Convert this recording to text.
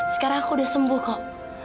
sekarang aku udah sembuh kok